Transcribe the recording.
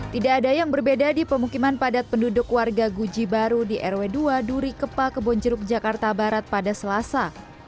tidak ada yang berbeda di pemukiman padat penduduk warga guji baru di rw dua duri kepa kebonjeruk jakarta barat pada selasa